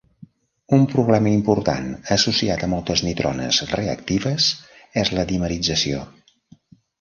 Un problema important associat a moltes nitrones reactives és la dimerització.